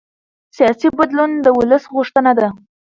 سیاسي بدلون د ولس غوښتنه ده